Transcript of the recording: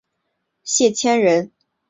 谢迁人。